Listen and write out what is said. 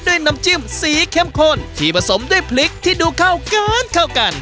น้ำจิ้มสีเข้มข้นที่ผสมด้วยพริกที่ดูเข้ากันเข้ากัน